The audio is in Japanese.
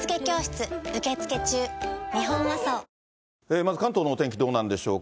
まず関東のお天気、どうなんでしょうか。